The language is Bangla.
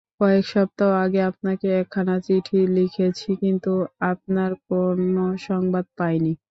কয়েক সপ্তাহ আগে আপনাকে একখানা চিঠি লিখেছি, কিন্তু আপনার কোন সংবাদ পাইনি।